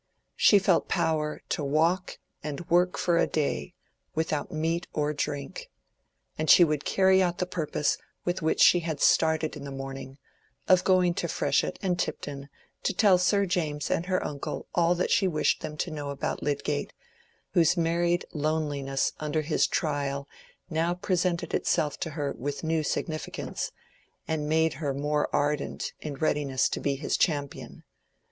She felt power to walk and work for a day, without meat or drink. And she would carry out the purpose with which she had started in the morning, of going to Freshitt and Tipton to tell Sir James and her uncle all that she wished them to know about Lydgate, whose married loneliness under his trial now presented itself to her with new significance, and made her more ardent in readiness to be his champion.